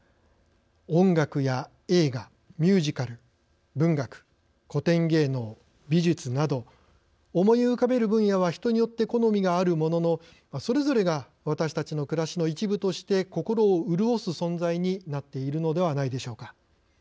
音楽や映画、ミュージカル文学、古典芸能、美術など思い浮かべる分野は人によって好みがあるもののそれぞれが私たちの暮らしの一部として心を潤す存在になっているのではないでしょうか。